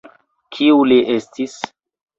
Kiu li estis?